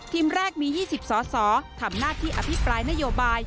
แรกมี๒๐สสทำหน้าที่อภิปรายนโยบาย